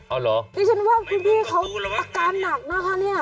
เอาเหรอดิฉันว่าคุณพี่เขาอาการหนักนะคะเนี่ย